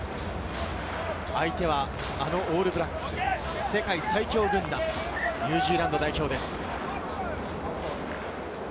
相手は、あのオールブラックス、世界最強軍団・ニュージーランド代表です。